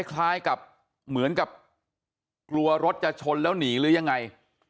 คล้ายกับเหมือนกับกลัวรถจะชนแล้วหนีหรือยังไง